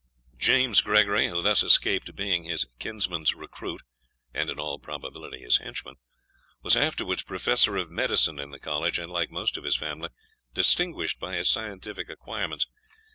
James Gregory, who thus escaped being his kinsman's recruit, and in all probability his henchman, was afterwards Professor of Medicine in the College, and, like most of his family, distinguished by his scientific acquirements.